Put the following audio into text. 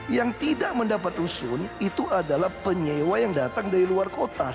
yang tidak mendapat rusun itu adalah penyewa yang datang dari luar kota